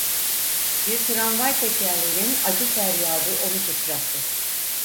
Bir tramvay tekerleğinin acı feryadı onu sıçrattı.